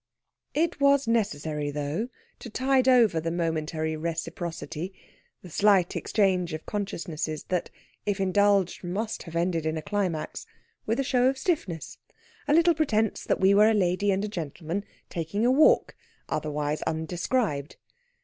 It was necessary, though, to tide over the momentary reciprocity the slight exchange of consciousnesses that, if indulged, must have ended in a climax with a show of stiffness; a little pretence that we were a lady and gentleman taking a walk, otherwise undescribed.